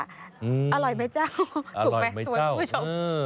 อร่อยไหมเจ้าถูกไหมสวยคุณผู้ชม